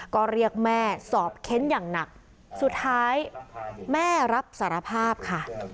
ก็เรียกแม่สอบเค้นอย่างหนักสุดท้ายแม่รับสารภาพค่ะ